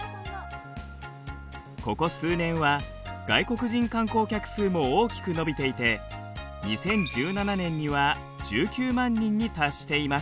ここ数年は外国人観光客数も大きく伸びていて２０１７年には１９万人に達しています。